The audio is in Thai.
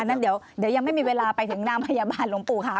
นั้นเดี๋ยวยังไม่มีเวลาไปถึงนางพยาบาลหลวงปู่ค่ะ